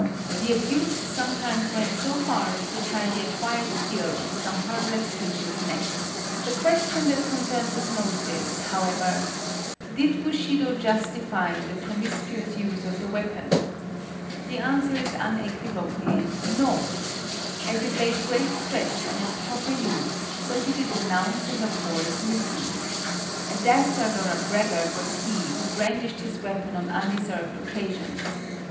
The abuse sometimes went so far as to try the acquired steel on some harmless creature's neck. The question that concerns us most is, however,—Did Bushido justify the promiscuous use of the weapon? The answer is unequivocally, no! As it laid great stress on its proper use, so did it denounce and abhor its misuse. A dastard or a braggart was he who brandished his weapon on undeserved occasions.